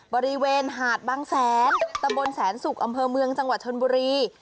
บริเวณหาดบางแสนตำบลแสนสุกอำเภอเมืองจังหวัดชนบุรี